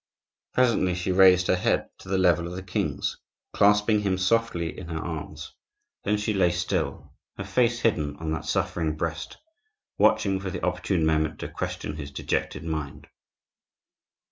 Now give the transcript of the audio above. Presently she raised her head to the level of the king's, clasping him softly in her arms; then she lay still, her face hidden on that suffering breast, watching for the opportune moment to question his dejected mind.